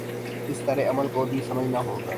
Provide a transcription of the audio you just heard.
اس سارے عمل کو بھی سمجھنا ہو گا